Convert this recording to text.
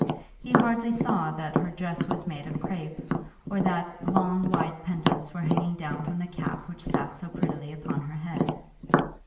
He hardly saw that her dress was made of crape, or that long white pendants were hanging down from the cap which sat so prettily upon her head.